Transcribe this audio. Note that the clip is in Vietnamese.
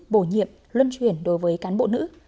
bổ nhiệm luân chuyển đối với cán bộ nữ